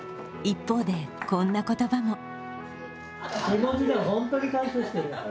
一方で、こんな言葉も。